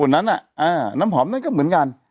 นั้นน้ำหอมนั่นก็เหมือนกัน